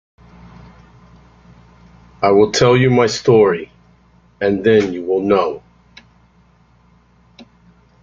I will tell you my story, and then you will know.